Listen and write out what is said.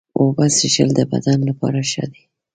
اوبه څښل د بدن لپاره ښه دي.